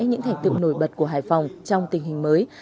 những thành tựu nổi bật của hải phòng trong tình hình mới